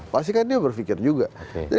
pasti kan dia berpikir juga